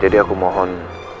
jadi aku mohon